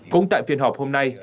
cũng tại phiên họp hôm nay